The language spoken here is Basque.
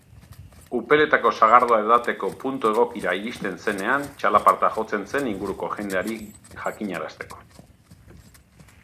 Upeletako sagardoa edateko puntu egokira iristen zenean, txalaparta jotzen zen inguruko jendeari jakinarazteko.